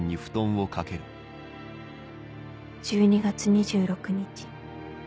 「１２月２６日。